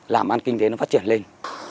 làm ăn kinh tế nó phát triển lên